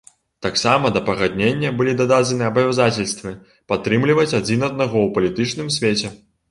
Таксама да пагаднення былі дададзены абавязацельствы падтрымліваць адзін аднаго ў палітычным свеце.